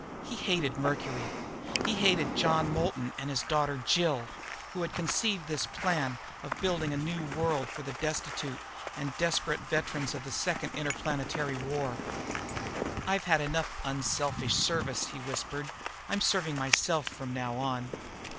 He hated Mercury. He hated John Moulton and his daughter Jill, who had conceived this plan of building a new world for the destitute and desperate veterans of the Second Interplanetary War. "I've had enough 'unselfish service'," he whispered. "I'm serving myself from now on."